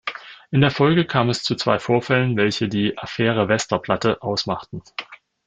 In der Folge kam es zu zwei Vorfällen, welche die „Affäre Westerplatte“ ausmachten.